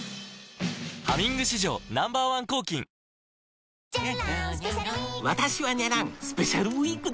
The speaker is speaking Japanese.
「ハミング」史上Ｎｏ．１抗菌あれ？